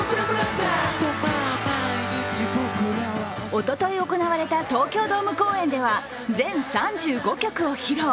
おととい行われた東京ドーム公演では全３５曲を披露。